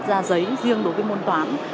ra giấy riêng đối với môn toàn